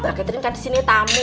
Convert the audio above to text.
mbak catering kan di sini tamu